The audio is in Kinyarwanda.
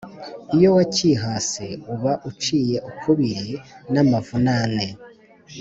Iyo wacyihase uba uciye ukubiri n’amavunane